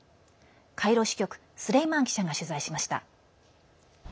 カイロ支局、スレイマン記者が取材しました。